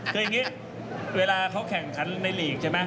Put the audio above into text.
คืออย่างนี้เวลาเขาแข่งขันในลีกใช่ไหม